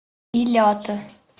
Ilhota